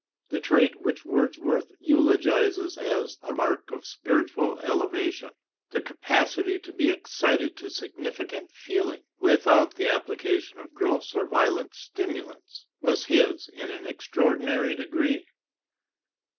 The trait which Wordsworth eulogizes as a mark of spiritual elevation, "the capacity to be excited to significant feeling without the application of gross or violent stimulants," was his in an extraordinary degree.